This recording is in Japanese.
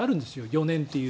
４年という。